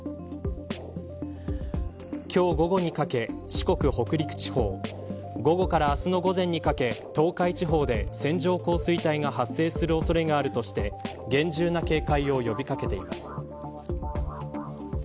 今日午後にかけ四国、北陸地方午後から明日の午前にかけ東海地方で線状降水帯が発生する恐れがあるとして厳重な警戒を呼び掛けています。